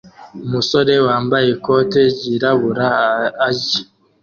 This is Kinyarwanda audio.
Umusore wambaye ikoti ryirabura arya